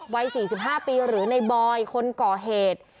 วัย๔๕ปีหรือในบอยคนก่อเหตุ